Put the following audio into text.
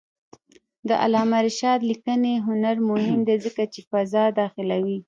د علامه رشاد لیکنی هنر مهم دی ځکه چې فضا داخلوي.